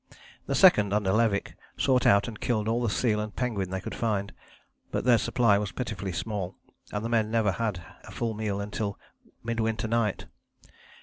The second under Levick sought out and killed all the seal and penguin they could find, but their supply was pitifully small, and the men never had a full meal until mid winter night.